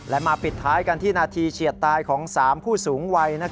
และมาปิดท้ายกันที่นาทีเฉียดตายของ๓ผู้สูงวัย